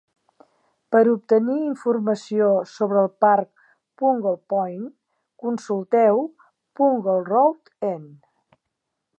"Per obtenir informació sobre el parc Punggol Point, consulteu Punggol Road End"